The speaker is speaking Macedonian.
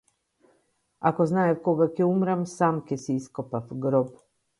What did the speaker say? Ако знаев кога ќе умрам, сам ќе си ископав гроб.